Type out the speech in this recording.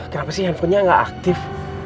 kenapa sih handphonenya nggak aktif